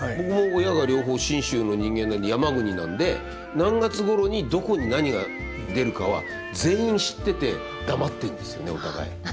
僕も親が両方信州の人間なんで山国なんで何月頃にどこに何が出るかは全員知ってて黙ってんですよねお互い。